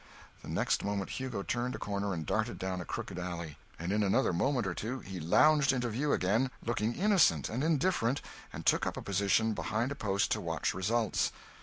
The next moment Hugo turned a corner and darted down a crooked alley and in another moment or two he lounged into view again, looking innocent and indifferent, and took up a position behind a post to watch results.